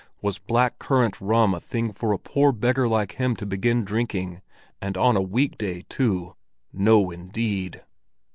Was black currant rum a thing for a poor beggar like him to begin drinking—and on a weekday, too? No, indeed!